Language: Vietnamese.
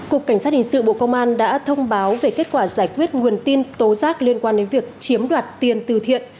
cục cảnh sát hình sự bộ công an đã thông báo về kết quả giải quyết nguồn tin tố giác liên quan đến việc chiếm đoạt tiền từ thiện